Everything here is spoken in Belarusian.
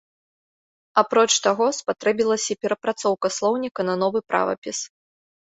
Апроч таго, спатрэбілася і перапрацоўка слоўніка на новы правапіс.